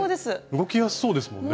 動きやすそうですもんね。